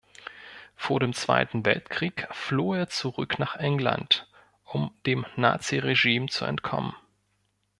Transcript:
Vor dem Zweiten Weltkrieg floh er zurück nach England, um dem Nazi-Regime zu entkommen.